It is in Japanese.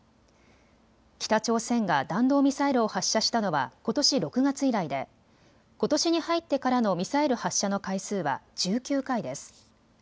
北朝鮮が弾道ミサイルを発射したのはことし６月以来でことしに入ってからのミサイル発射の回数は１９回です。